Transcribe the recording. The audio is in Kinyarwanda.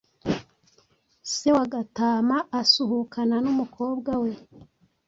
se wa Gatama asuhukana n’umukobwa we